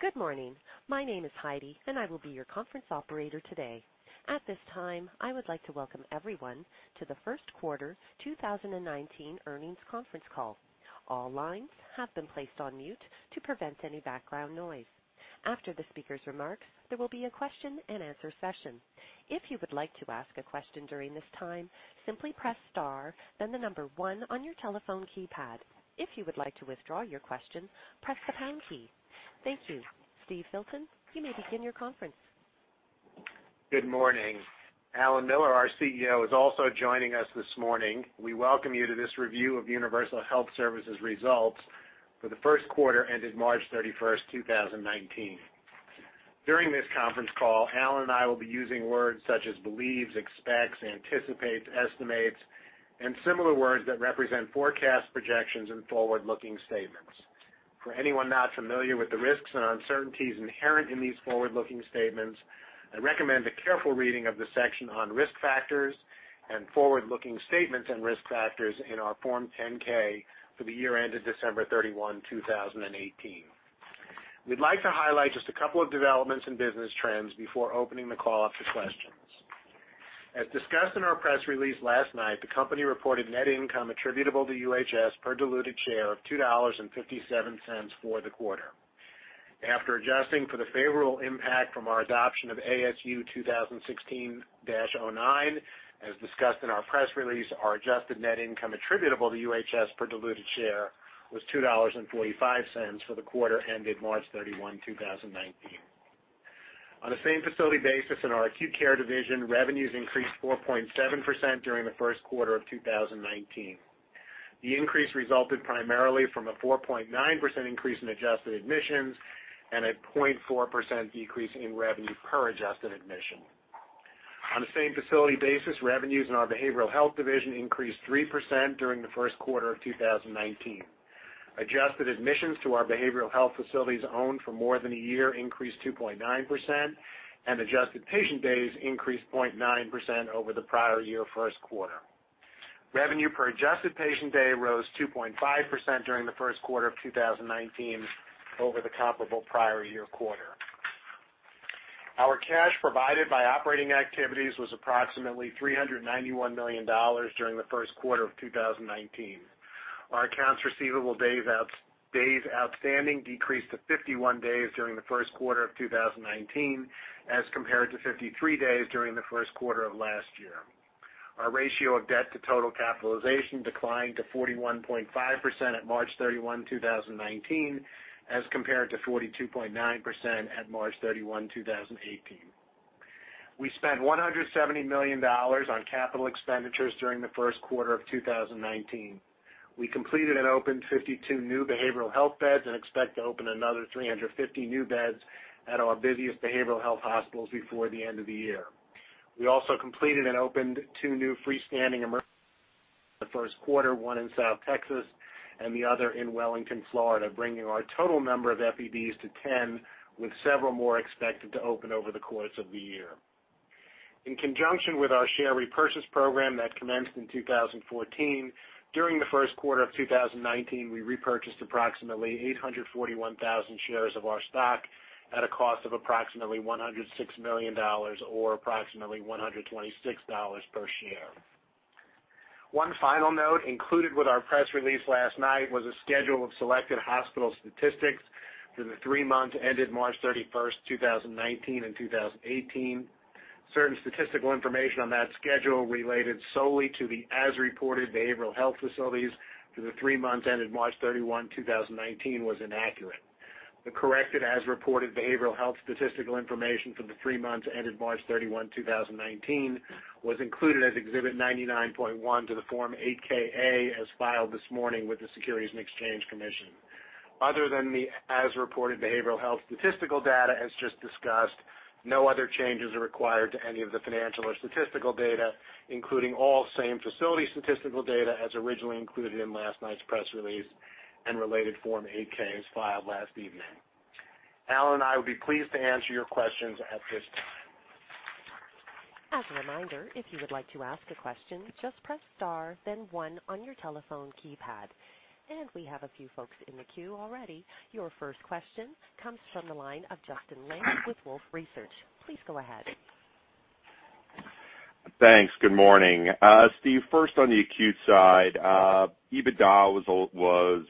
Good morning. My name is Heidi, and I will be your conference operator today. At this time, I would like to welcome everyone to the first quarter 2019 earnings conference call. All lines have been placed on mute to prevent any background noise. After the speaker's remarks, there will be a question and answer session. If you would like to ask a question during this time, simply press star, then 1 on your telephone keypad. If you would like to withdraw your question, press the pound key. Thank you. Steve Filton, you may begin your conference. Good morning. Alan Miller, our CEO, is also joining us this morning. We welcome you to this review of Universal Health Services results for the first quarter ended March 31st, 2019. During this conference call, Alan and I will be using words such as believes, expects, anticipates, estimates, and similar words that represent forecast projections and forward-looking statements. For anyone not familiar with the risks and uncertainties inherent in these forward-looking statements, I recommend a careful reading of the section on risk factors and forward-looking statements and risk factors in our Form 10-K for the year ended December 31, 2018. We'd like to highlight just a couple of developments in business trends before opening the call up to questions. As discussed in our press release last night, the company reported net income attributable to UHS per diluted share of $2.57 for the quarter. After adjusting for the favorable impact from our adoption of ASU 2016-09, as discussed in our press release, our adjusted net income attributable to UHS per diluted share was $2.45 for the quarter ended March 31, 2019. On a same facility basis in our acute care division, revenues increased 4.7% during the first quarter of 2019. The increase resulted primarily from a 4.9% increase in adjusted admissions and a 0.4% decrease in revenue per adjusted admission. On a same facility basis, revenues in our behavioral health division increased 3% during the first quarter of 2019. Adjusted admissions to our behavioral health facilities owned for more than a year increased 2.9%, and adjusted patient days increased 0.9% over the prior year first quarter. Revenue per adjusted patient day rose 2.5% during the first quarter of 2019 over the comparable prior year quarter. Our cash provided by operating activities was approximately $391 million during the first quarter of 2019. Our accounts receivable days outstanding decreased to 51 days during the first quarter of 2019 as compared to 53 days during the first quarter of last year. Our ratio of debt to total capitalization declined to 41.5% at March 31, 2019, as compared to 42.9% at March 31, 2018. We spent $170 million on capital expenditures during the first quarter of 2019. We completed and opened 52 new behavioral health beds and expect to open another 350 new beds at our busiest behavioral health hospitals before the end of the year. We also completed and opened two new freestanding emergency rooms in the first quarter, one in South Texas and the other in Wellington, Florida, bringing our total number of FEDs to 10, with several more expected to open over the course of the year. In conjunction with our share repurchase program that commenced in 2014, during the first quarter of 2019, we repurchased approximately 841,000 shares of our stock at a cost of approximately $106 million or approximately $126 per share. One final note included with our press release last night was a schedule of selected hospital statistics for the three months ended March 31, 2019 and 2018. Certain statistical information on that schedule related solely to the as-reported behavioral health facilities for the three months ended March 31, 2019, was inaccurate. The corrected as-reported behavioral health statistical information for the three months ended March 31, 2019, was included as Exhibit 99.1 to the Form 8-K/A, as filed this morning with the Securities and Exchange Commission. Other than the as-reported behavioral health statistical data as just discussed, no other changes are required to any of the financial or statistical data, including all same facility statistical data as originally included in last night's press release and related Form 8-Ks filed last evening. Alan and I would be pleased to answer your questions at this time. As a reminder, if you would like to ask a question, just press star then one on your telephone keypad. We have a few folks in the queue already. Your first question comes from the line of Justin Lake with Wolfe Research. Please go ahead. Thanks. Good morning. Steve, first on the acute side, EBITDA was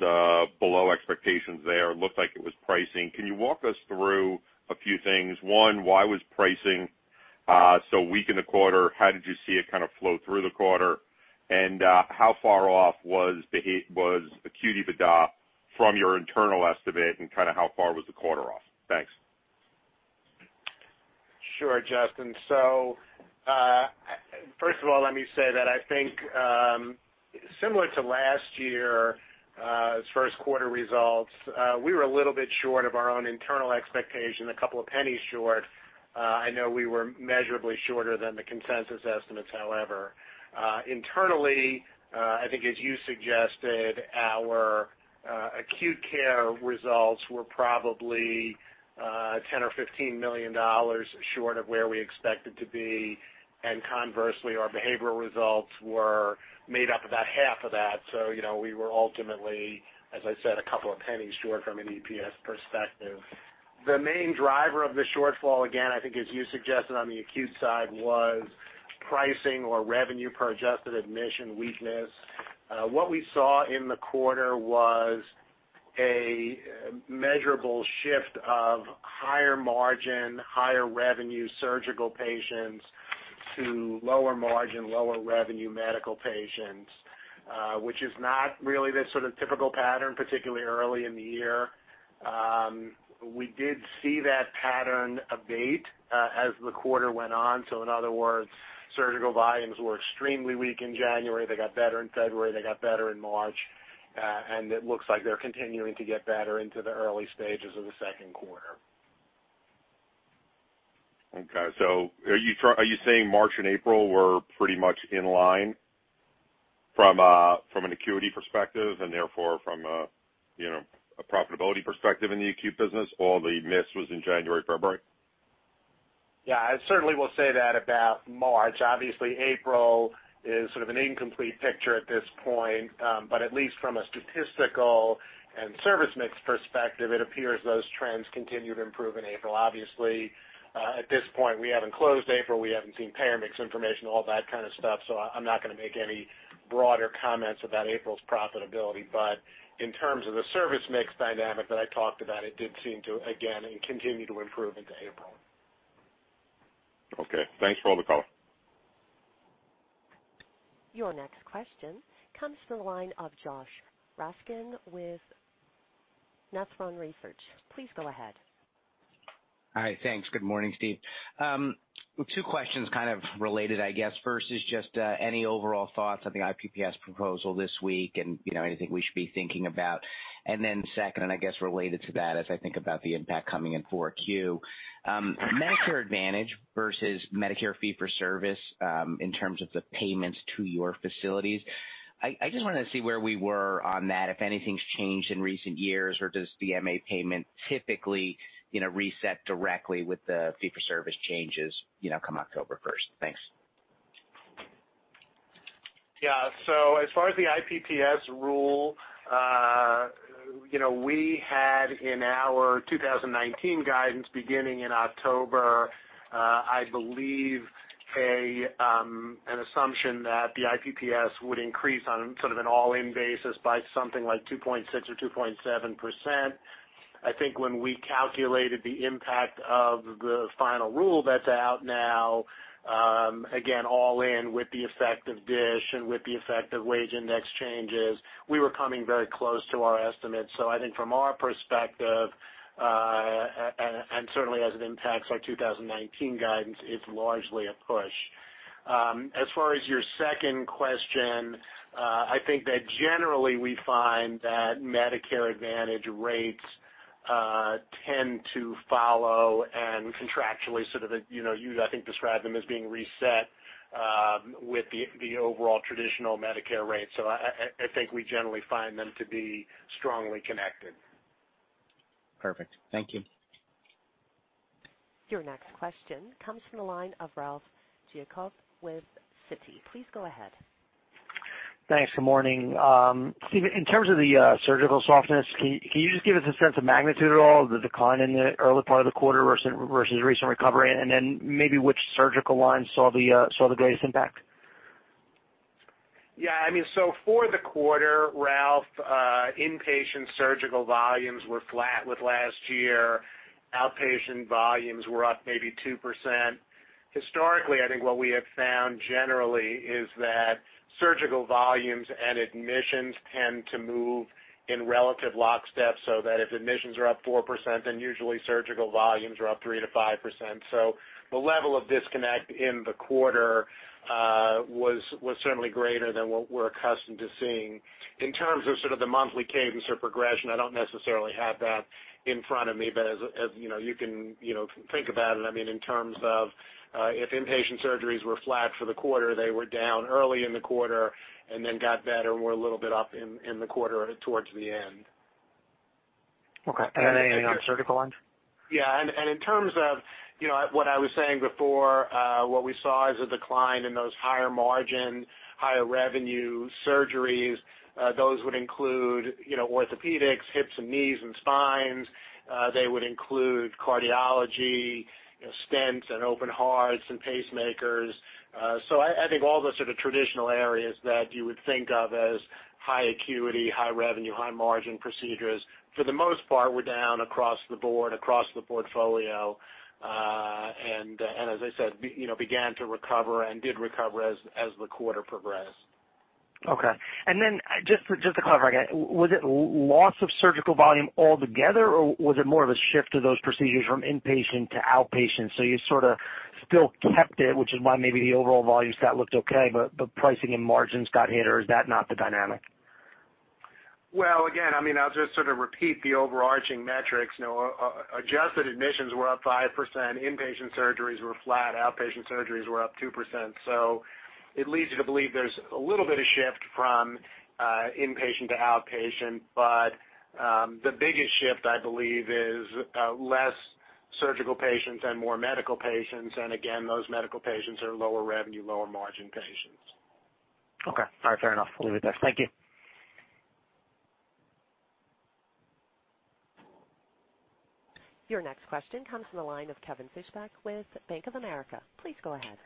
below expectations there. It looked like it was pricing. Can you walk us through a few things? One, why was pricing so weak in the quarter? How did you see it kind of flow through the quarter? How far off was acute EBITDA from your internal estimate and kind of how far was the quarter off? Thanks. Sure, Justin. First of all, let me say that I think similar to last year's first quarter results, we were a little bit short of our own internal expectation, a couple of pennies short. I know we were measurably shorter than the consensus estimates, however. Internally, I think as you suggested, our acute care results were probably $10 or $15 million short of where we expected to be, and conversely, our behavioral results were made up about half of that. We were ultimately, as I said, a couple of pennies short from an EPS perspective. The main driver of the shortfall, again, I think as you suggested on the acute side, was pricing or revenue per adjusted admission weakness. What we saw in the quarter was a measurable shift of higher margin, higher revenue surgical patients to lower margin, lower revenue medical patients, which is not really the sort of typical pattern, particularly early in the year. We did see that pattern abate as the quarter went on. In other words, surgical volumes were extremely weak in January. They got better in February. They got better in March. It looks like they're continuing to get better into the early stages of the second quarter. Okay. Are you saying March and April were pretty much in line from an acuity perspective and therefore from a profitability perspective in the acute business? All the miss was in January, February? Yeah, I certainly will say that about March. Obviously, April is sort of an incomplete picture at this point. At least from a statistical and service mix perspective, it appears those trends continue to improve in April. Obviously, at this point, we haven't closed April, we haven't seen payer mix information, all that kind of stuff. I'm not going to make any broader comments about April's profitability. In terms of the service mix dynamic that I talked about, it did seem to, again, continue to improve into April. Okay. Thanks for all the color. Your next question comes from the line of Josh Raskin with Nephron Research. Please go ahead. Hi, thanks. Good morning, Steve. Two questions, kind of related, I guess. First is just any overall thoughts on the IPPS proposal this week and anything we should be thinking about. Then second, and I guess related to that, as I think about the impact coming in 4Q, Medicare Advantage versus Medicare fee-for-service, in terms of the payments to your facilities. I just wanted to see where we were on that, if anything's changed in recent years, or does the MA payment typically reset directly with the fee-for-service changes come October 1st? Thanks. Yeah. As far as the IPPS rule, we had in our 2019 guidance beginning in October, I believe, an assumption that the IPPS would increase on sort of an all-in basis by something like 2.6% or 2.7%. I think when we calculated the impact of the final rule that's out now, again, all in with the effect of DSH and with the effect of wage index changes, we were coming very close to our estimates. I think from our perspective, and certainly as it impacts our 2019 guidance, it's largely a push. As far as your second question, I think that generally we find that Medicare Advantage rates tend to follow and contractually sort of, you, I think, described them as being reset with the overall traditional Medicare rates. I think we generally find them to be strongly connected. Perfect. Thank you. Your next question comes from the line of Ralph Giacobbe with Citi. Please go ahead. Thanks, good morning. Steve, in terms of the surgical softness, can you just give us a sense of magnitude at all, the decline in the early part of the quarter versus recent recovery, and then maybe which surgical lines saw the greatest impact? Yeah, for the quarter, Ralph, inpatient surgical volumes were flat with last year. Outpatient volumes were up maybe 2%. Historically, I think what we have found generally is that surgical volumes and admissions tend to move in relative lockstep, so that if admissions are up 4%, then usually surgical volumes are up 3%-5%. The level of disconnect in the quarter was certainly greater than what we're accustomed to seeing. In terms of sort of the monthly cadence or progression, I don't necessarily have that in front of me, but as you can think about it, in terms of if inpatient surgeries were flat for the quarter, they were down early in the quarter and then got better and were a little bit up in the quarter towards the end. Okay. Anything on surgical lines? Yeah. In terms of what I was saying before, what we saw as a decline in those higher margin, higher revenue surgeries, those would include orthopedics, hips and knees and spines. They would include cardiology, stents and open hearts and pacemakers. I think all the sort of traditional areas that you would think of as high acuity, high revenue, high margin procedures, for the most part, were down across the board, across the portfolio. As I said, began to recover and did recover as the quarter progressed. Okay. Just to clarify, was it loss of surgical volume altogether, or was it more of a shift of those procedures from inpatient to outpatient? You sort of still kept it, which is why maybe the overall volume stat looked okay, but pricing and margins got hit, or is that not the dynamic? Well, again, I'll just sort of repeat the overarching metrics. Adjusted admissions were up 5%. Inpatient surgeries were flat. Outpatient surgeries were up 2%. It leads you to believe there's a little bit of shift from inpatient to outpatient. The biggest shift, I believe, is less surgical patients and more medical patients, and again, those medical patients are lower revenue, lower margin patients. Okay. All right, fair enough. We'll leave it there. Thank you. Your next question comes from the line of Kevin Fischbeck with Bank of America. Please go ahead.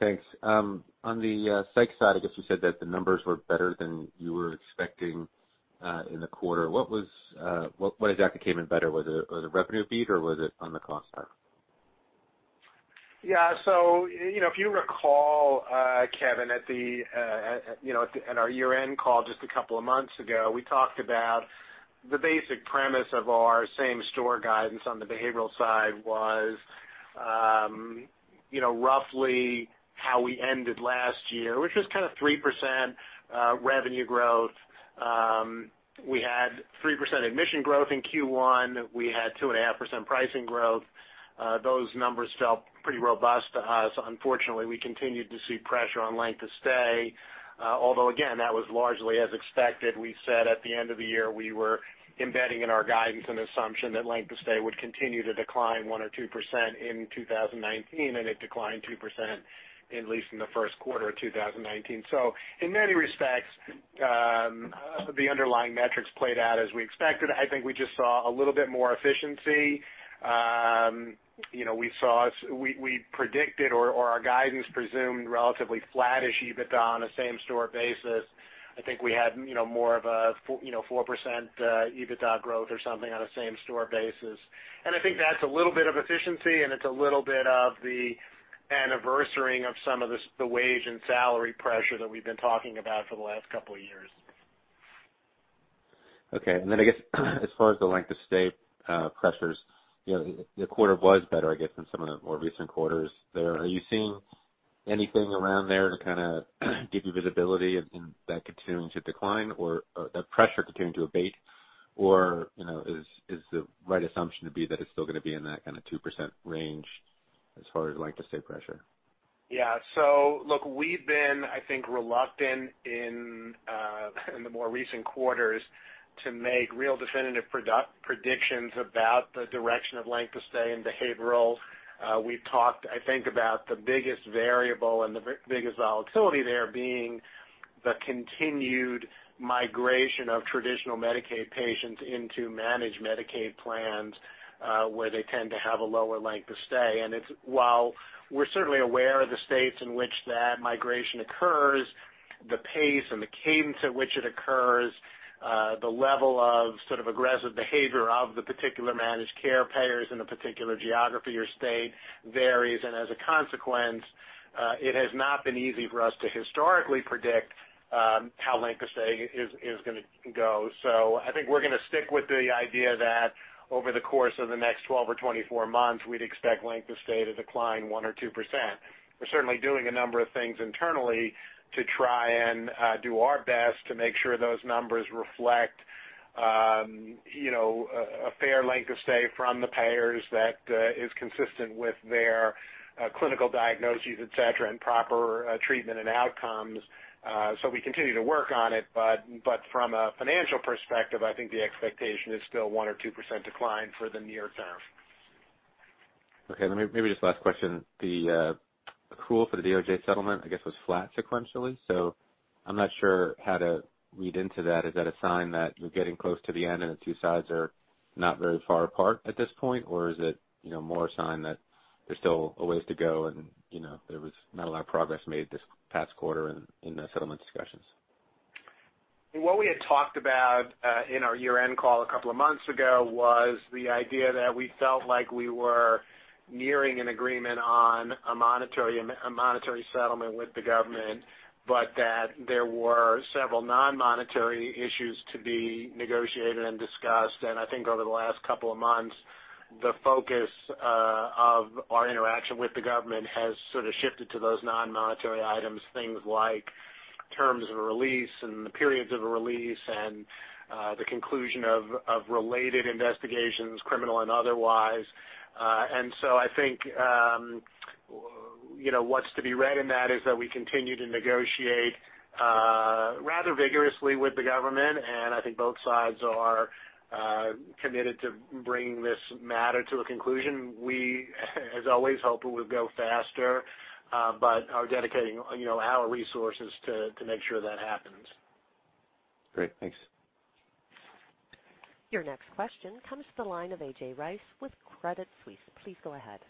Thanks. On the psych side, I guess you said that the numbers were better than you were expecting in the quarter. What exactly came in better? Was it the revenue beat or was it on the cost side? Yeah. If you recall, Kevin, at our year-end call just a couple of months ago, we talked about the basic premise of our same-store guidance on the behavioral side was roughly how we ended last year, which was 3% revenue growth. We had 3% admission growth in Q1. We had 2.5% pricing growth. Those numbers felt pretty robust to us. Unfortunately, we continued to see pressure on length of stay. Although again, that was largely as expected. We said at the end of the year, we were embedding in our guidance an assumption that length of stay would continue to decline 1% or 2% in 2019, and it declined 2% at least in the first quarter of 2019. In many respects, the underlying metrics played out as we expected. I think we just saw a little bit more efficiency. We predicted or our guidance presumed relatively flat-ish EBITDA on a same-store basis. I think we had more of a 4% EBITDA growth or something on a same-store basis. I think that's a little bit of efficiency, and it's a little bit of the anniversarying of some of the wage and salary pressure that we've been talking about for the last couple of years. Okay. Then I guess as far as the length of stay pressures, the quarter was better, I guess, than some of the more recent quarters. Are you seeing anything around there to give you visibility in that continuing to decline or that pressure continuing to abate or is the right assumption to be that it's still going to be in that kind of 2% range as far as length of stay pressure? Yeah. Look, we've been, I think, reluctant in the more recent quarters to make real definitive predictions about the direction of length of stay in behavioral. We've talked, I think, about the biggest variable and the biggest volatility there being the continued migration of traditional Medicaid patients into managed Medicaid plans, where they tend to have a lower length of stay. While we're certainly aware of the states in which that migration occurs, the pace and the cadence at which it occurs, the level of sort of aggressive behavior of the particular managed care payers in a particular geography or state varies and as a consequence, it has not been easy for us to historically predict how length of stay is going to go. I think we're going to stick with the idea that over the course of the next 12 or 24 months, we'd expect length of stay to decline 1% or 2%. We're certainly doing a number of things internally to try and do our best to make sure those numbers reflect a fair length of stay from the payers that is consistent with their clinical diagnoses, et cetera, and proper treatment and outcomes. We continue to work on it, but from a financial perspective, I think the expectation is still 1% or 2% decline for the near term. Okay. Maybe just last question. The accrual for the DOJ settlement, I guess, was flat sequentially. I'm not sure how to read into that. Is that a sign that you're getting close to the end and the two sides are not very far apart at this point? Is it more a sign that there's still a ways to go and there was not a lot of progress made this past quarter in the settlement discussions? What we had talked about in our year-end call a couple of months ago was the idea that we felt like we were nearing an agreement on a monetary settlement with the government, but that there were several non-monetary issues to be negotiated and discussed. I think over the last couple of months, the focus of our interaction with the government has sort of shifted to those non-monetary items, things like terms of a release and the periods of a release and the conclusion of related investigations, criminal and otherwise. I think what's to be read in that is that we continue to negotiate rather vigorously with the government, and I think both sides are committed to bringing this matter to a conclusion. We as always, hope it would go faster, but are dedicating our resources to make sure that happens. Great. Thanks. Your next question comes to the line of A.J. Rice with Credit Suisse. Please go ahead.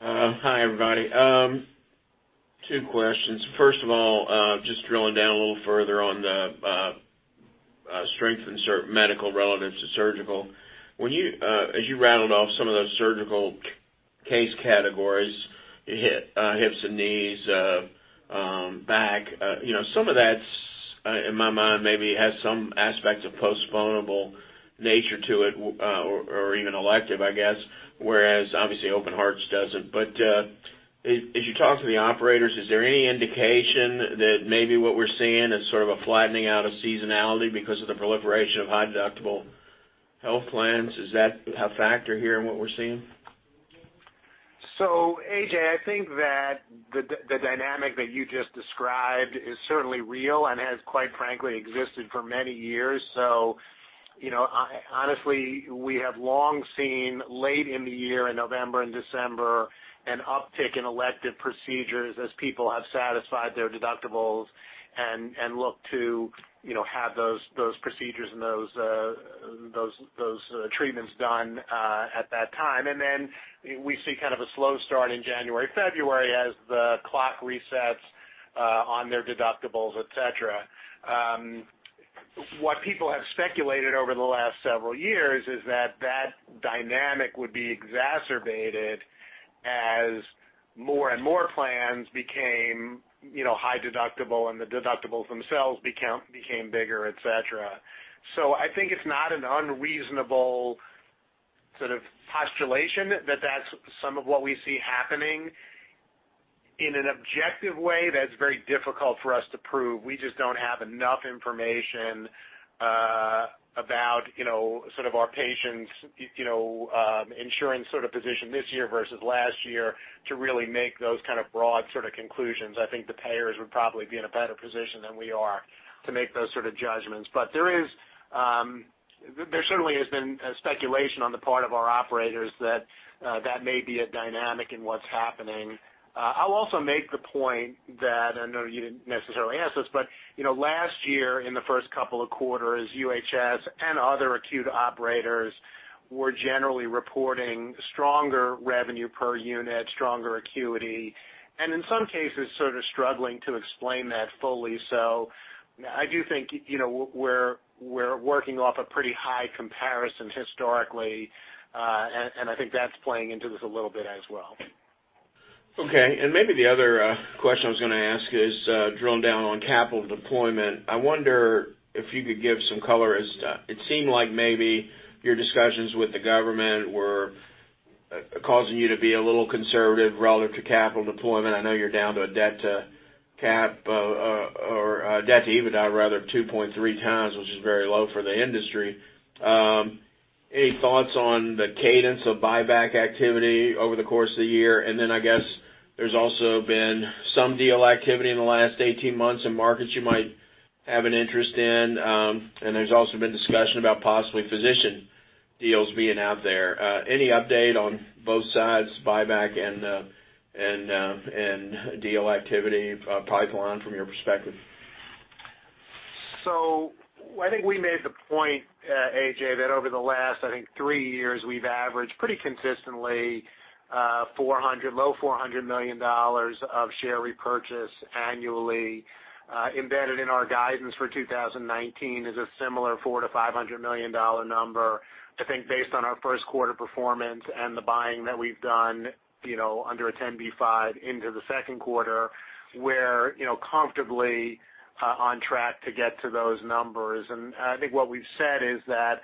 Hi, everybody. Two questions. First of all, just drilling down a little further on the strength in medical relevant to surgical. As you rattled off some of those surgical case categories, hips and knees, back, some of that's, in my mind, maybe has some aspect of postponable nature to it or even elective, I guess, whereas obviously open hearts doesn't. As you talk to the operators, is there any indication that maybe what we're seeing is sort of a flattening out of seasonality because of the proliferation of high deductible health plans? Is that a factor here in what we're seeing? A.J., I think that the dynamic that you just described is certainly real and has, quite frankly, existed for many years. Honestly, we have long seen late in the year, in November and December, an uptick in elective procedures as people have satisfied their deductibles and look to have those procedures and those treatments done at that time. Then we see kind of a slow start in January, February as the clock resets on their deductibles, et cetera. What people have speculated over the last several years is that dynamic would be exacerbated as more and more plans became high deductible and the deductibles themselves became bigger, et cetera. I think it's not an unreasonable sort of postulation that that's some of what we see happening. In an objective way, that's very difficult for us to prove. We just don't have enough information about our patients' insurance position this year versus last year to really make those kind of broad conclusions. I think the payers would probably be in a better position than we are to make those sort of judgments. There certainly has been speculation on the part of our operators that may be a dynamic in what's happening. I'll also make the point that, I know you didn't necessarily ask this, last year in the first couple of quarters, UHS and other acute operators were generally reporting stronger revenue per unit, stronger acuity, and in some cases, sort of struggling to explain that fully. I do think we're working off a pretty high comparison historically, and I think that's playing into this a little bit as well. Okay, maybe the other question I was going to ask is drilling down on capital deployment. I wonder if you could give some color as to, it seemed like maybe your discussions with the government were causing you to be a little conservative relative to capital deployment. I know you're down to a debt to EBITDA of 2.3 times, which is very low for the industry. Any thoughts on the cadence of buyback activity over the course of the year? Then I guess there's also been some deal activity in the last 18 months in markets you might have an interest in, there's also been discussion about possibly physician deals being out there. Any update on both sides, buyback and deal activity pipeline from your perspective? I think we made the point, A.J., that over the last, I think, three years, we've averaged pretty consistently low $400 million of share repurchase annually. Embedded in our guidance for 2019 is a similar $400 million-$500 million number. I think based on our first quarter performance and the buying that we've done under a 10b5 into the second quarter, we're comfortably on track to get to those numbers. I think what we've said is that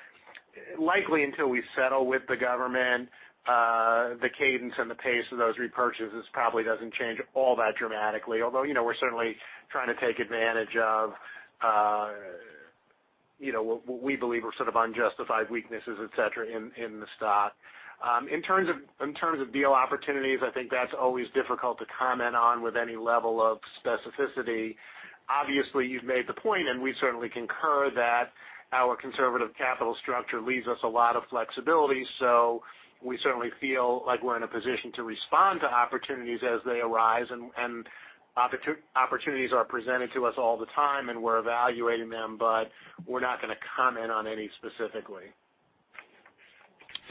likely until we settle with the government, the cadence and the pace of those repurchases probably doesn't change all that dramatically. Although, we're certainly trying to take advantage of what we believe are sort of unjustified weaknesses, et cetera, in the stock. In terms of deal opportunities, I think that's always difficult to comment on with any level of specificity. Obviously, you've made the point, and we certainly concur that our conservative capital structure leaves us a lot of flexibility. We certainly feel like we're in a position to respond to opportunities as they arise, and opportunities are presented to us all the time, and we're evaluating them, but we're not going to comment on any specifically.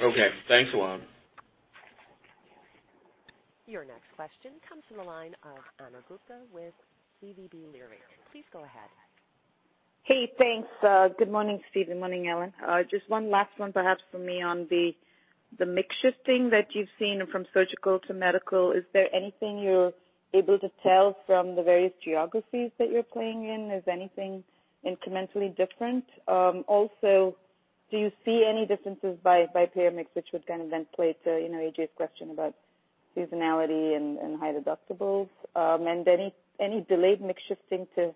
Okay. Thanks a lot. Your next question comes from the line of Ana Gupte with SVB Leerink. Please go ahead. Hey, thanks. Good morning, Steve, and morning, Alan. One last one perhaps from me on the mix shifting that you've seen from surgical to medical. Is there anything you're able to tell from the various geographies that you're playing in? Is anything incrementally different? Do you see any differences by payer mix, which would then play to AJ's question about seasonality and high deductibles? Any delayed mix shifting to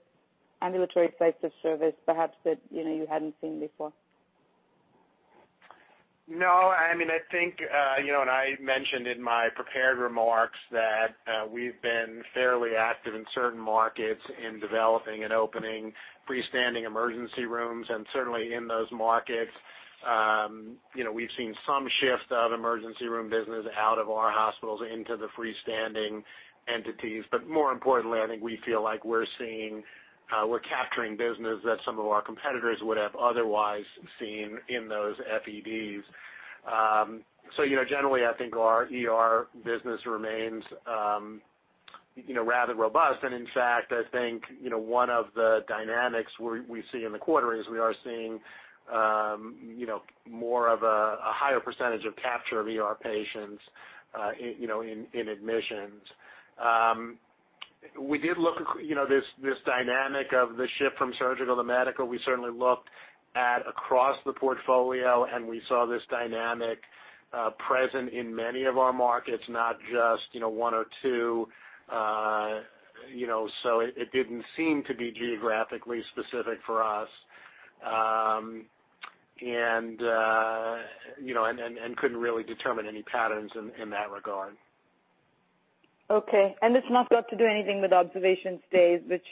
ambulatory sites of service, perhaps that you hadn't seen before? No. I think, I mentioned in my prepared remarks that we've been fairly active in certain markets in developing and opening freestanding emergency rooms, certainly in those markets, we've seen some shift of emergency room business out of our hospitals into the freestanding entities. More importantly, I think we feel like we're capturing business that some of our competitors would have otherwise seen in those FEDs. Generally, I think our ER business remains rather robust. In fact, I think one of the dynamics we see in the quarter is we are seeing more of a higher percentage of capture of ER patients in admissions. This dynamic of the shift from surgical to medical, we certainly looked at across the portfolio, and we saw this dynamic present in many of our markets, not just one or two. It didn't seem to be geographically specific for us. Couldn't really determine any patterns in that regard. Okay. It's not got to do anything with observation stays, which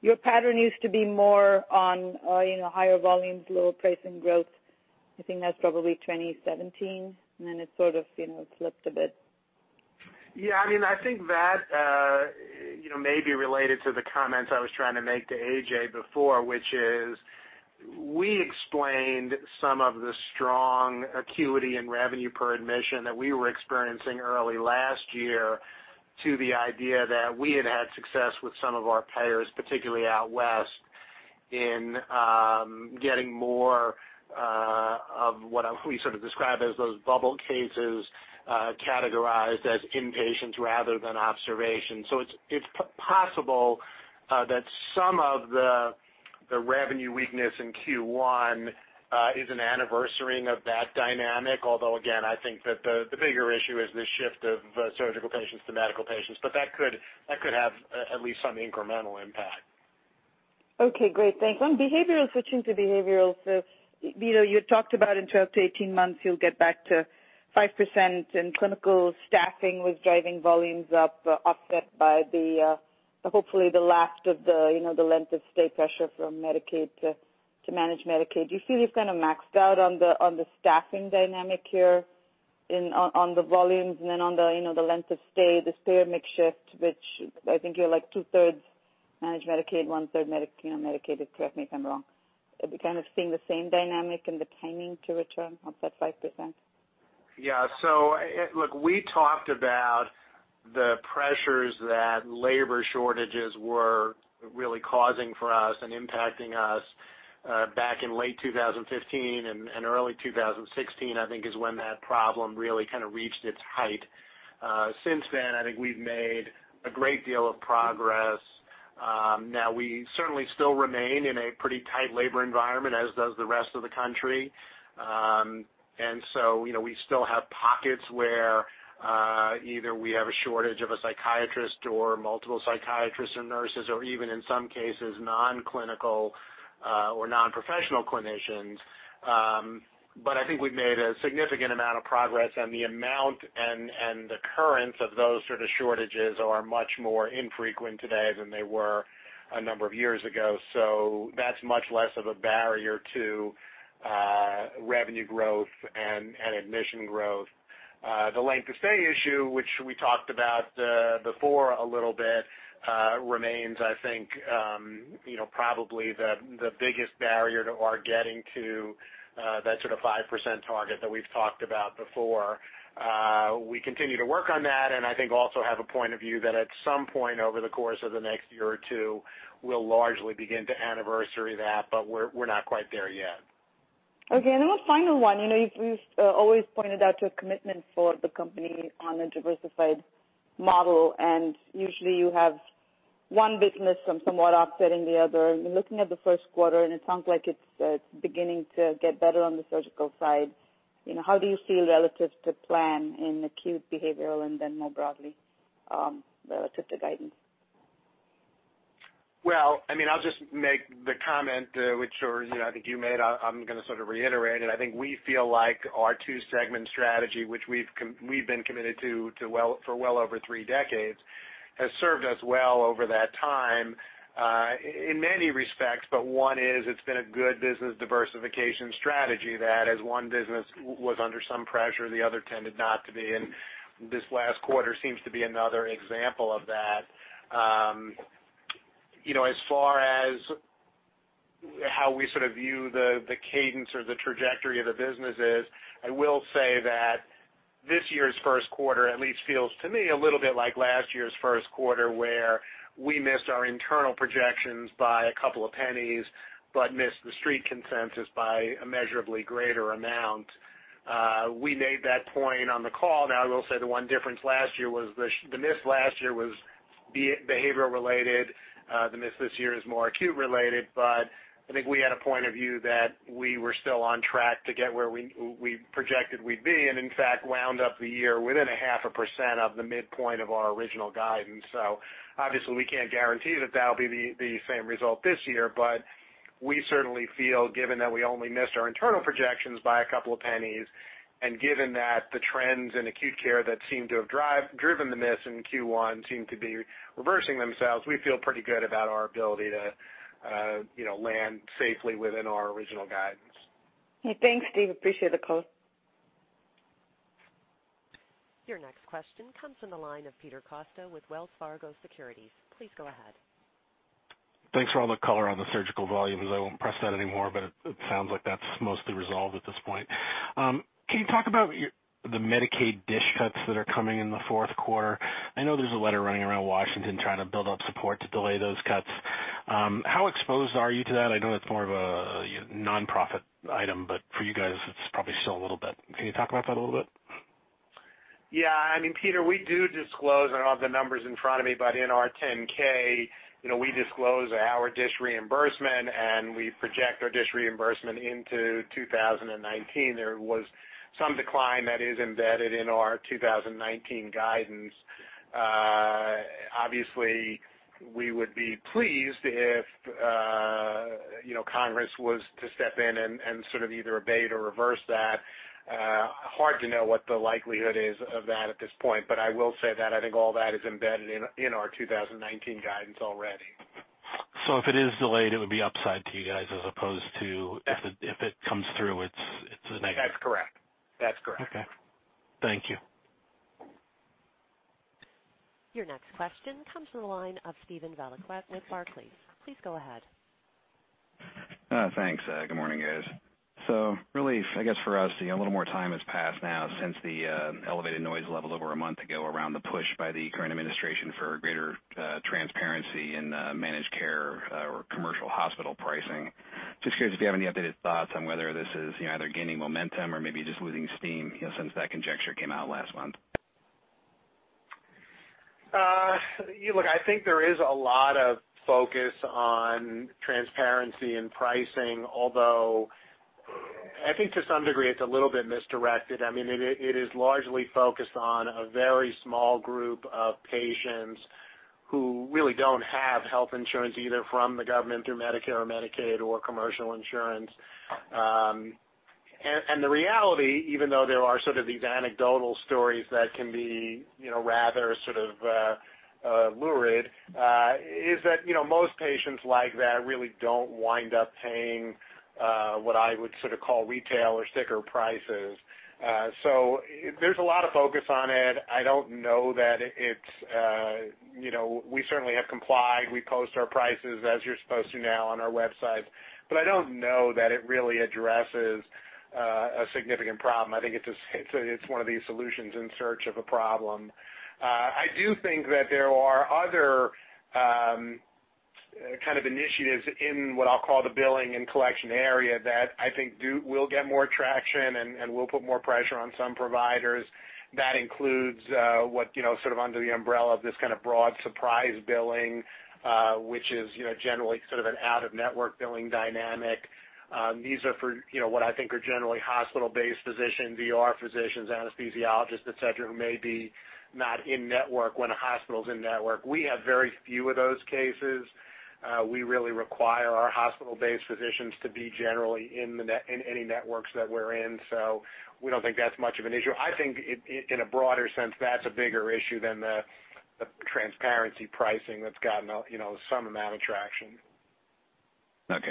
your pattern used to be more on higher volumes, lower pricing growth. I think that's probably 2017, it sort of slipped a bit. Yeah. I think that may be related to the comments I was trying to make to AJ before, which is we explained some of the strong acuity in revenue per admission that we were experiencing early last year to the idea that we had had success with some of our payers, particularly out West, in getting more of what we sort of describe as those bubble cases, categorized as inpatients rather than observation. It's possible that some of the revenue weakness in Q1 is an anniversarying of that dynamic. Again, I think that the bigger issue is the shift of surgical patients to medical patients, but that could have at least some incremental impact. Okay, great. Thanks. On behavioral, switching to behavioral. You had talked about in 12 to 18 months, you'll get back to 5% in clinical staffing with driving volumes up, offset by hopefully the last of the length of stay pressure from Medicaid to managed Medicaid. Do you feel you've kind of maxed out on the staffing dynamic here on the volumes and then on the length of stay, the payer mix shift, which I think you're 2/3 managed Medicaid, 1/3 Medicaid, correct me if I'm wrong. Are we kind of seeing the same dynamic and the timing to return up that 5%? Yeah. Look, we talked about the pressures that labor shortages were really causing for us and impacting us back in late 2015 and early 2016, I think, is when that problem really reached its height. Since then, I think we've made a great deal of progress. Now, we certainly still remain in a pretty tight labor environment, as does the rest of the country. We still have pockets where either we have a shortage of a psychiatrist or multiple psychiatrists and nurses, or even in some cases, non-clinical or non-professional clinicians. I think we've made a significant amount of progress, and the amount and the currents of those sort of shortages are much more infrequent today than they were a number of years ago. That's much less of a barrier to revenue growth and admission growth. The length of stay issue, which we talked about before a little bit, remains, I think probably the biggest barrier to our getting to that sort of 5% target that we've talked about before. We continue to work on that, and I think also have a point of view that at some point over the course of the next year or two, we'll largely begin to anniversary that, we're not quite there yet. Okay. One final one. You've always pointed out to a commitment for the company on a diversified model, and usually you have one business somewhat offsetting the other. You're looking at the first quarter, and it sounds like it's beginning to get better on the surgical side. How do you feel relative to plan in acute behavioral and then more broadly, relative to guidance? Well, I'll just make the comment, which I think you made, I'm going to sort of reiterate it. I think we feel like our two-segment strategy, which we've been committed to for well over three decades, has served us well over that time in many respects. One is it's been a good business diversification strategy that as one business was under some pressure, the other tended not to be, and this last quarter seems to be another example of that. As far as how we sort of view the cadence or the trajectory of the businesses, I will say that this year's first quarter at least feels to me a little bit like last year's first quarter, where we missed our internal projections by a couple of pennies, but missed the Street consensus by a measurably greater amount. We made that point on the call. I will say the one difference last year was the miss last year was behavioral related. The miss this year is more acute related, but I think we had a point of view that we were still on track to get where we projected we'd be, and in fact, wound up the year within a half a percent of the midpoint of our original guidance. Obviously, we can't guarantee that that'll be the same result this year. We certainly feel, given that we only missed our internal projections by a couple of pennies, and given that the trends in acute care that seem to have driven the miss in Q1 seem to be reversing themselves, we feel pretty good about our ability to land safely within our original guidance. Thanks, Steve. Appreciate the call. Your next question comes from the line of Peter Costa with Wells Fargo Securities. Please go ahead. Thanks for all the color on the surgical volumes. It sounds like that's mostly resolved at this point. Can you talk about the Medicaid DSH cuts that are coming in the fourth quarter? I know there's a letter running around Washington trying to build up support to delay those cuts. How exposed are you to that? I know that's more of a non-profit item. For you guys, it's probably still a little bit. Can you talk about that a little bit? Yeah. Peter, we do disclose, I don't have the numbers in front of me. In our 10-K, we disclose our DSH reimbursement and we project our DSH reimbursement into 2019. There was some decline that is embedded in our 2019 guidance. Obviously, we would be pleased if Congress was to step in and sort of either abate or reverse that. Hard to know what the likelihood is of that at this point. I will say that I think all that is embedded in our 2019 guidance already. If it is delayed, it would be upside to you guys as opposed to if it comes through, it's a negative. That's correct. Okay. Thank you. Your next question comes from the line of Steven Valiquette with Barclays. Please go ahead. Thanks. Good morning, guys. Really, I guess for us, a little more time has passed now since the elevated noise level over a month ago around the push by the current administration for greater transparency in managed care or commercial hospital pricing. Just curious if you have any updated thoughts on whether this is either gaining momentum or maybe just losing steam, since that conjecture came out last month. Look, I think there is a lot of focus on transparency in pricing, although I think to some degree, it's a little bit misdirected. It is largely focused on a very small group of patients who really don't have health insurance, either from the government through Medicare or Medicaid or commercial insurance. The reality, even though there are sort of these anecdotal stories that can be rather lurid, is that most patients like that really don't wind up paying what I would call retail or sticker prices. There's a lot of focus on it. We certainly have complied. We post our prices as you're supposed to now on our websites, I don't know that it really addresses a significant problem. I think it's one of these solutions in search of a problem. I do think that there are other initiatives in what I'll call the billing and collection area that I think will get more traction and will put more pressure on some providers. That includes what's under the umbrella of this kind of broad surprise billing, which is generally an out-of-network billing dynamic. These are for what I think are generally hospital-based physicians, ER physicians, anesthesiologists, et cetera, who may be not in-network when a hospital is in-network. We have very few of those cases. We really require our hospital-based physicians to be generally in any networks that we're in. We don't think that's much of an issue. I think in a broader sense, that's a bigger issue than the transparency pricing that's gotten some amount of traction.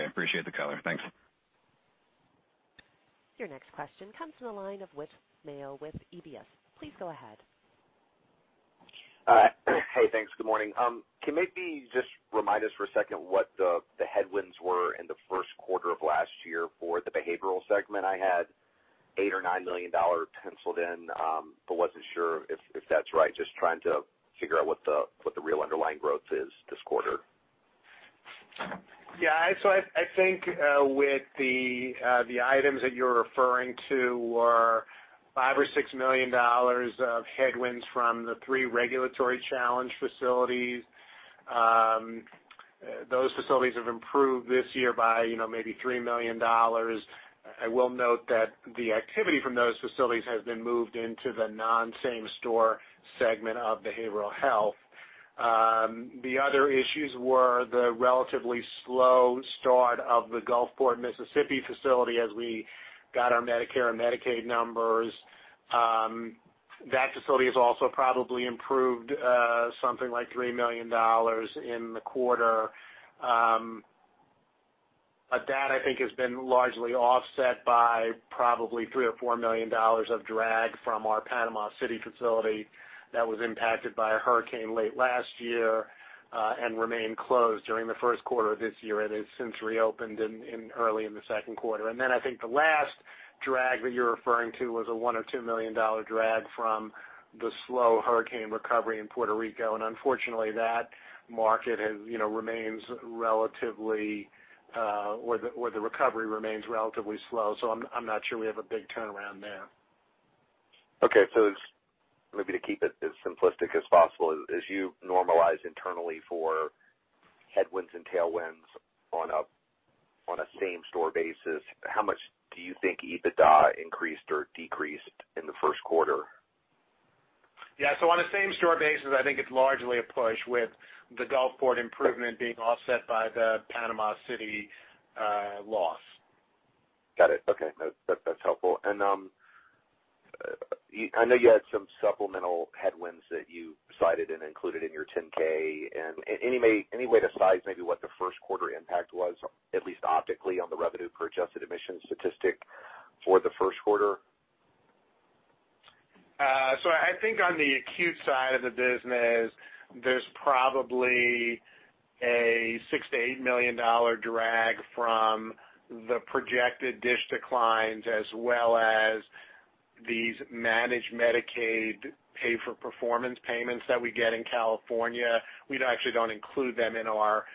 Appreciate the color. Thanks. Your next question comes from the line of Whit Mayo with UBS. Please go ahead. Hey, thanks. Good morning. Can you maybe just remind us for a second what the headwinds were in the first quarter of last year for the behavioral segment? I had $8 or $9 million penciled in, but wasn't sure if that's right. Just trying to figure what the real underlying growth is this quarter. Yeah. I think with the items that you're referring to were $5 or $6 million of headwinds from the three regulatory challenge facilities. Those facilities have improved this year by maybe $3 million. I will note that the activity from those facilities has been moved into the non-same store segment of behavioral health. The other issues were the relatively slow start of the Gulfport, Mississippi facility as we got our Medicare and Medicaid numbers. That facility has also probably improved something like $3 million in the quarter. That, I think, has been largely offset by probably $3 or $4 million of drag from our Panama City facility that was impacted by a hurricane late last year, and remained closed during the first quarter of this year and has since reopened early in the second quarter. I think the last drag that you're referring to was a $1 or $2 million drag from the slow hurricane recovery in Puerto Rico, and unfortunately, that market remains relatively, or the recovery remains relatively slow, so I'm not sure we have a big turnaround there. Okay. Just maybe to keep it as simplistic as possible, as you normalize internally for headwinds and tailwinds on a same-store basis, how much do you think EBITDA increased or decreased in the first quarter? Yeah. On a same-store basis, I think it's largely a push with the Gulfport improvement being offset by the Panama City loss. Got it. Okay. That's helpful. I know you had some supplemental headwinds that you cited and included in your Form 10-K. Any way to size maybe what the first quarter impact was, at least optically, on the revenue per adjusted admissions statistic for the first quarter? I think on the acute side of the business, there's probably a $6 million-$8 million drag from the projected DSH declines as well as these managed Medicaid pay-for-performance payments that we get in California. We actually don't include them in our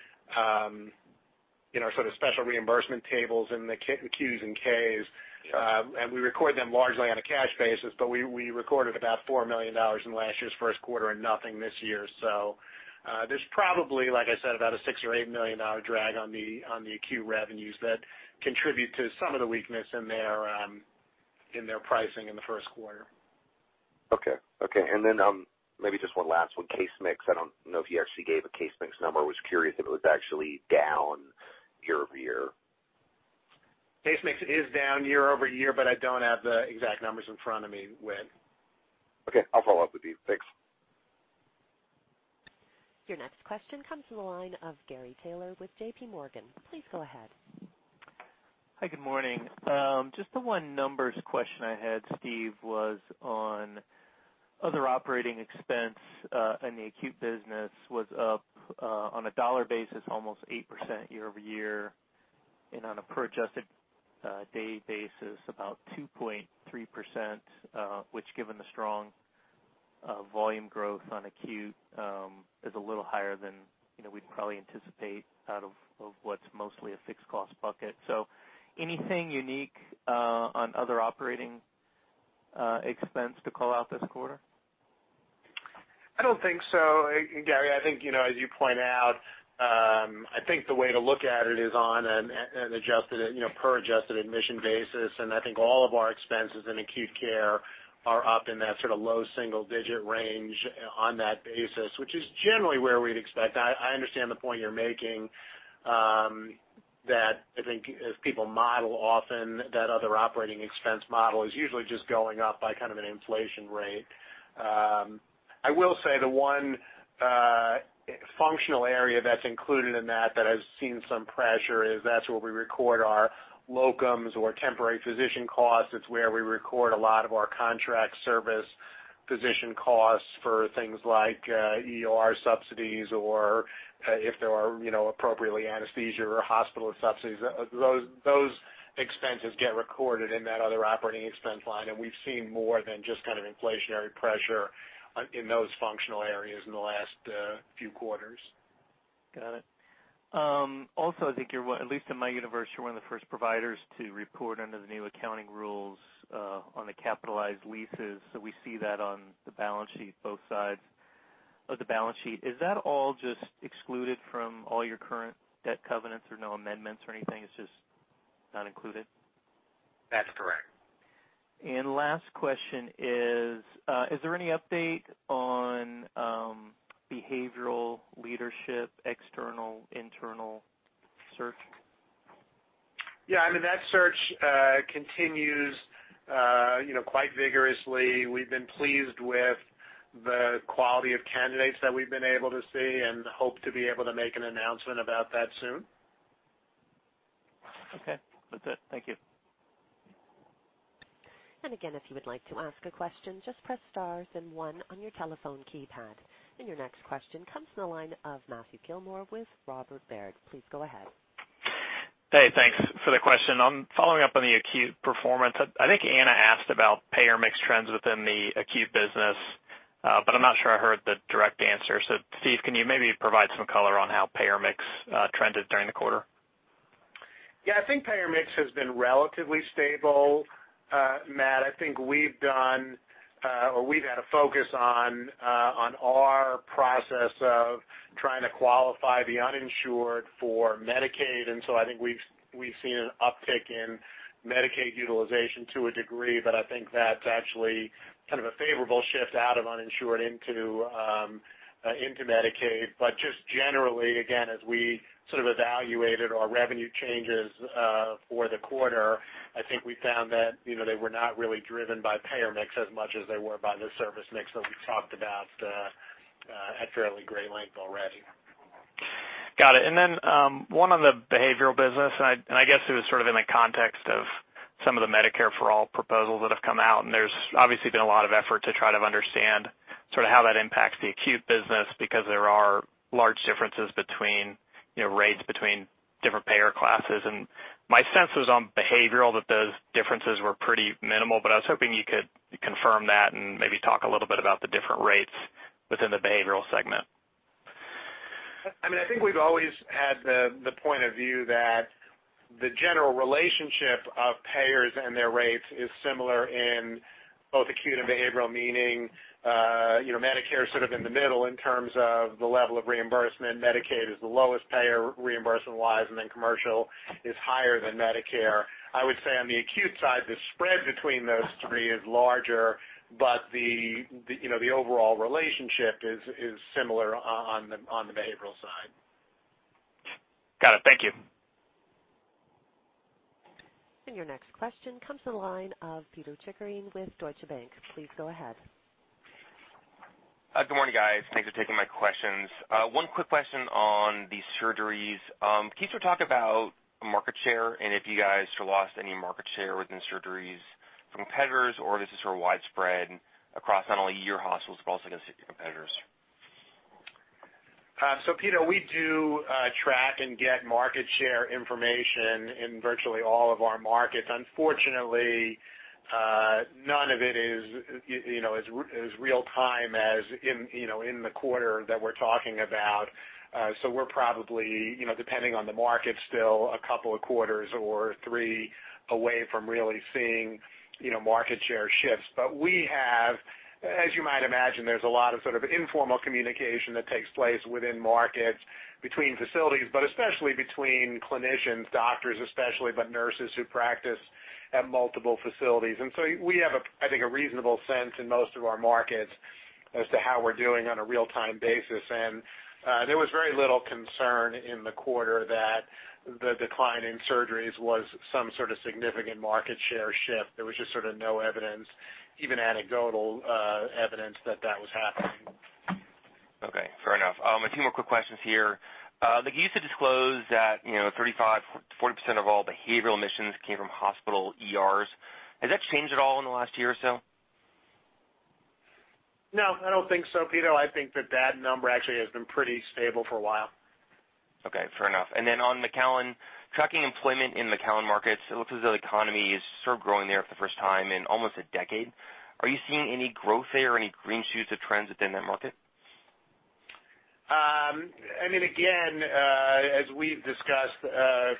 sort of special reimbursement tables in the Qs and Ks. We record them largely on a cash basis, but we recorded about $4 million in last year's first quarter and nothing this year. There's probably, like I said, about a $6 million or $8 million drag on the acute revenues that contribute to some of the weakness in their pricing in the first quarter. Okay. Then maybe just one last one, case mix. I don't know if you actually gave a case mix number. I was curious if it was actually down? Year. Case mix is down year-over-year, I don't have the exact numbers in front of me, Whit. Okay, I'll follow up with you. Thanks. Your next question comes from the line of Gary Taylor with J.P. Morgan. Please go ahead. Hi, good morning. Just the one numbers question I had, Steve, was on other operating expense, the acute business was up, on a dollar basis, almost 8% year-over-year, on a per adjusted day basis, about 2.3%, which given the strong volume growth on acute, is a little higher than we'd probably anticipate out of what's mostly a fixed cost bucket. Anything unique on other operating expense to call out this quarter? I don't think so, Gary. I think, as you point out, I think the way to look at it is on an per adjusted admission basis, and I think all of our expenses in acute care are up in that low single-digit range on that basis, which is generally where we'd expect. I understand the point you're making, that I think as people model often, that other operating expense model is usually just going up by an inflation rate. I will say the one functional area that's included in that that has seen some pressure is that's where we record our locums or temporary physician costs. It's where we record a lot of our contract service physician costs for things like ER subsidies or if there are appropriately anesthesia or hospital subsidies. Those expenses get recorded in that other operating expense line, and we've seen more than just inflationary pressure in those functional areas in the last few quarters. Got it. Also, I think you're, at least in my universe, you're one of the first providers to report under the new accounting rules, on the capitalized leases. We see that on the balance sheet, both sides of the balance sheet. Is that all just excluded from all your current debt covenants or no amendments or anything? It's just not included? That's correct. Last question is there any update on behavioral leadership, external, internal search? Yeah, that search continues quite vigorously. We've been pleased with the quality of candidates that we've been able to see and hope to be able to make an announcement about that soon. Okay. That's it. Thank you. Again, if you would like to ask a question, just press star then one on your telephone keypad. Your next question comes from the line of Matthew Gilmore with Robert W. Baird. Please go ahead. Hey, thanks for the question. I'm following up on the acute performance. I think Ana asked about payer mix trends within the acute business, but I'm not sure I heard the direct answer. Steve, can you maybe provide some color on how payer mix trended during the quarter? Yeah, I think payer mix has been relatively stable, Matt. I think we've had a focus on our process of trying to qualify the uninsured for Medicaid, and so I think we've seen an uptick in Medicaid utilization to a degree, but I think that's actually a favorable shift out of uninsured into Medicaid. Just generally, again, as we evaluated our revenue changes for the quarter, I think we found that they were not really driven by payer mix as much as they were by the service mix that we talked about at fairly great length already. Got it. One on the behavioral business, and I guess it was in the context of some of the Medicare for All proposals that have come out, and there's obviously been a lot of effort to try to understand how that impacts the acute business because there are large differences between rates between different payer classes. My sense was on behavioral, that those differences were pretty minimal, but I was hoping you could confirm that and maybe talk a little bit about the different rates within the behavioral segment. I think we've always had the point of view that the general relationship of payers and their rates is similar in both acute and behavioral, meaning Medicare in the middle in terms of the level of reimbursement. Medicaid is the lowest payer reimbursing-wise, and then commercial is higher than Medicare. I would say on the acute side, the spread between those three is larger, but the overall relationship is similar on the behavioral side. Got it. Thank you. Your next question comes from the line of Pito Chickering with Deutsche Bank. Please go ahead. Good morning, guys. Thanks for taking my questions. One quick question on the surgeries. Can you talk about market share and if you guys lost any market share within surgeries from competitors, or this is widespread across not only your hospitals, but also competitors? Pito, we do track and get market share information in virtually all of our markets. Unfortunately, none of it is real time as in the quarter that we're talking about. We're probably, depending on the market, still a couple of quarters or three away from really seeing market share shifts. We have, as you might imagine, there's a lot of informal communication that takes place within markets between facilities, but especially between clinicians, doctors especially, but nurses who practice at multiple facilities. We have, I think, a reasonable sense in most of our markets as to how we're doing on a real-time basis. There was very little concern in the quarter that the decline in surgeries was some sort of significant market share shift. There was just no evidence, even anecdotal evidence, that that was happening. Two more quick questions here. You used to disclose that 35%-40% of all behavioral admissions came from hospital ERs. Has that changed at all in the last year or so? No, I don't think so, Pito. I think that number actually has been pretty stable for a while. Okay. Fair enough. Then on McAllen, tracking employment in McAllen markets, it looks as though the economy is sort of growing there for the first time in almost a decade. Are you seeing any growth there or any green shoots of trends within that market? Again, as we've discussed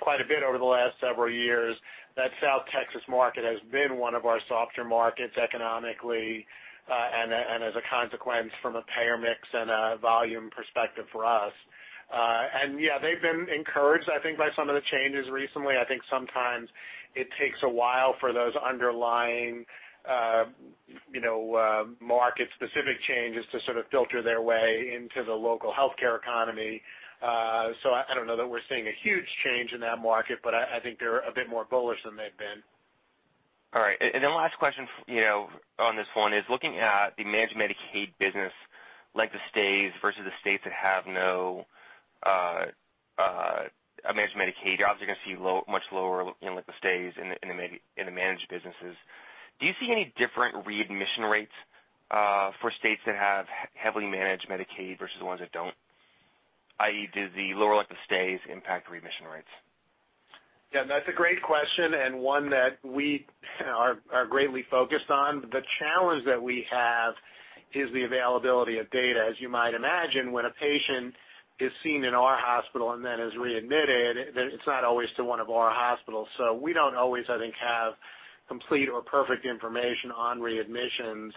quite a bit over the last several years, that South Texas market has been one of our softer markets economically, and as a consequence from a payer mix and a volume perspective for us. Yeah, they've been encouraged, I think, by some of the changes recently. I think sometimes it takes a while for those underlying market-specific changes to sort of filter their way into the local healthcare economy. I don't know that we're seeing a huge change in that market, but I think they're a bit more bullish than they've been. Last question on this one is looking at the managed Medicaid business length of stays versus the states that have no managed Medicaid, you're obviously going to see much lower length of stays in the managed businesses. Do you see any different readmission rates for states that have heavily managed Medicaid versus the ones that don't, i.e., does the lower length of stays impact readmission rates? Yeah, that's a great question and one that we are greatly focused on. The challenge that we have is the availability of data. As you might imagine, when a patient is seen in our hospital and then is readmitted, then it's not always to one of our hospitals. We don't always, I think, have complete or perfect information on readmissions.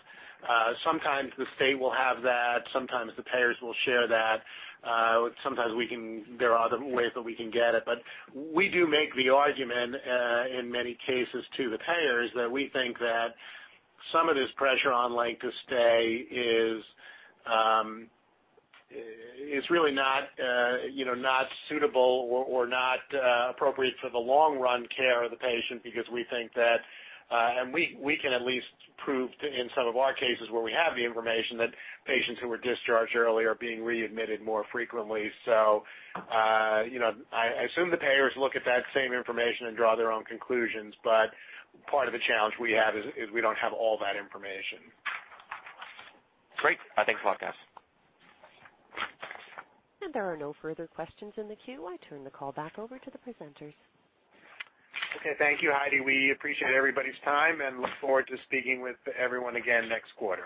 Sometimes the state will have that. Sometimes the payers will share that. Sometimes there are other ways that we can get it. We do make the argument, in many cases, to the payers that we think that some of this pressure on length of stay is really not suitable or not appropriate for the long-run care of the patient because we think that, and we can at least prove in some of our cases where we have the information, that patients who were discharged early are being readmitted more frequently. I assume the payers look at that same information and draw their own conclusions, but part of the challenge we have is we don't have all that information. Great. Thanks a lot, guys. There are no further questions in the queue. I turn the call back over to the presenters. Okay. Thank you, Heidi. We appreciate everybody's time and look forward to speaking with everyone again next quarter.